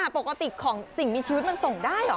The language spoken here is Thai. ปกติของสิ่งมีชีวิตมันส่งได้เหรอ